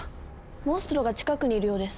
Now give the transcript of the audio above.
モンストロが近くにいるようです。